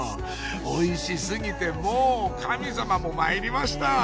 おいし過ぎてもうカミさまも参りました！